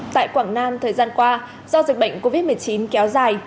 tại quảng nam thời gian qua do dịch bệnh covid một mươi chín kéo dài